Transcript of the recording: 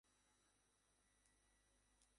তিনি ধূমপানকে অরুচিকর হিসেবে আখ্যায়িত করেছেন।